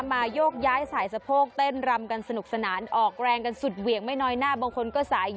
โยกย้ายสายสะโพกเต้นรำกันสนุกสนานออกแรงกันสุดเหวี่ยงไม่น้อยหน้าบางคนก็สาย